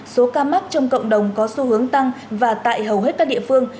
số ca mắc trong cộng đồng có xu hướng tăng và tại hầu hết các địa phương